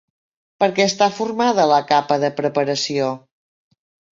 Per què està formada la capa de preparació?